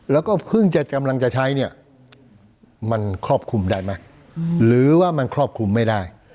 แล้วก็เพิ่งจะกำลังจะใช้เนี่ยมันครอบคลุมได้ไหมหรือว่ามันครอบคลุมไม่ได้